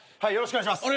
お願いします。